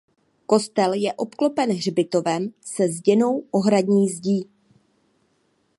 Kostel je obklopen hřbitovem se zděnou ohradní zdí.